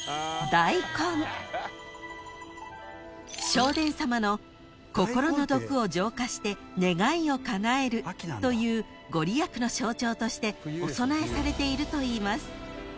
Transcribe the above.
［聖天様の心の毒を浄化して願いをかなえるという御利益の象徴としてお供えされているといいます］